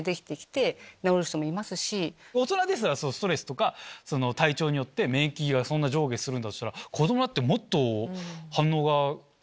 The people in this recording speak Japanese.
大人ですらストレスとか体調によって免疫が上下するんだとしたら。